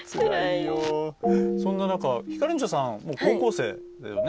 そんな中、ひかりんちょさんもう高校生だよね。